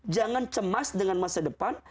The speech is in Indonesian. jangan cemas dengan masa depan